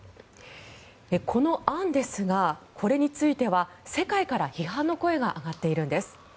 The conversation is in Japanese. この案ですがこれについては世界から批判の声が上がっているんです。